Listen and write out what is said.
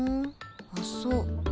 あっそう。